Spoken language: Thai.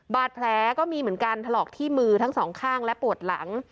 บาดแผลก็มีเหมือนกันถลอกที่มือทั้งสองข้างและปวดหลัง